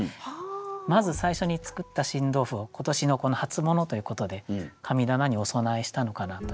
まず最初に作った新豆腐を今年の初物ということで神棚にお供えしたのかなという。